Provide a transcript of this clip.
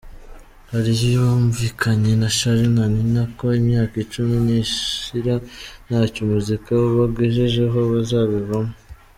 Yari yumvikanye na Charly na Nina ko imyaka icumi nishira ntacyo umuziki ubagejejeho bazabivamo.